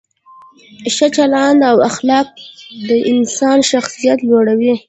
ښه چلند او اخلاق د انسان شخصیت لوړوي.